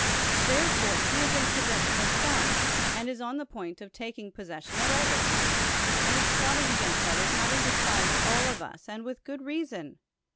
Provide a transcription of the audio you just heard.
Therefore, he is in possession of some, and is on the point of [taking possession of] others, and is plotting against others, having desi^ised all of us, and with good reason.